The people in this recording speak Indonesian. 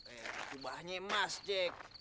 eh ubahnya emas jack